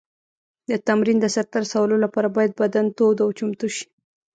د تمرین د سر ته رسولو لپاره باید بدن تود او چمتو شي.